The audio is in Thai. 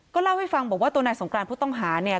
เล่าให้ฟังบอกว่าตัวนายสงกรานผู้ต้องหาเนี่ย